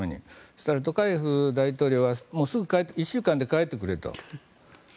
そしたら、トカエフ大統領は１週間で帰ってくれと。